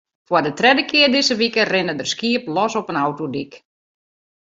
Foar de tredde kear dizze wike rinne der skiep los op in autodyk.